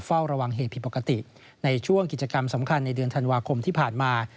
เฝ้าระวังเหตุผิดปกติในช่วงกิจกรรมสำคัญในเดือนธันวาคมที่ผ่านมา